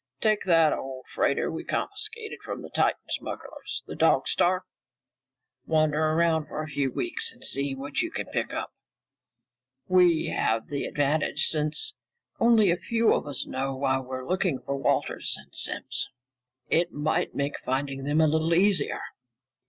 "Take that old freighter we confiscated from the Titan smugglers, the Dog Star. Wander around for a few weeks and see what you can pick up. We have the advantage, since only a few of us know why we're looking for Wallace and Simms. It might make finding them a little easier."